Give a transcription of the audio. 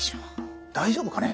大丈夫かね？